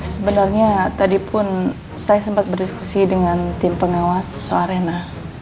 sebenarnya tadi pun saya sempat berdiskusi dengan tim pengawas arena